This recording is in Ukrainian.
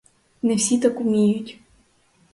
Не всі так уміють!